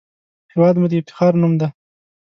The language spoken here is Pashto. هېواد مو د افتخار نوم دی